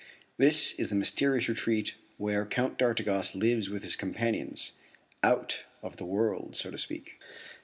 This is the mysterious retreat where Count d'Artigas lives with his companions out of the world, so to speak.